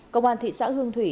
công an thị xã hương thủy